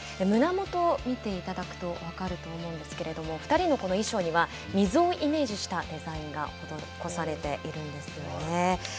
胸元を見ていただくと分かると思うんですけれども２人のこの衣装には水をイメージしたデザインが施されているんですよね。